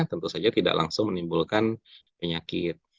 tentu saja tidak langsung menimbulkan penyakit